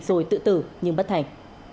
rồi tự tử nhưng bất thành